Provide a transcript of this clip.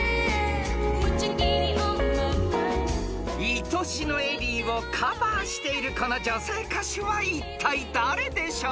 ［『いとしのエリー』をカバーしているこの女性歌手はいったい誰でしょう？］